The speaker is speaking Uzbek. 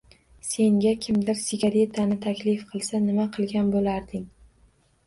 Senga kimdir sigaretani taklif qilsa, nima qilgan bo‘larding?